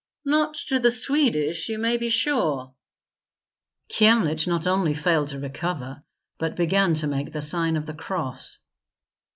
"Not to the Swedish, you may be sure." Kyemlich not only failed to recover, but began to make the sign of the cross.